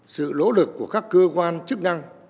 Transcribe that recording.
sự lỗ lực của các cơ quan chức năng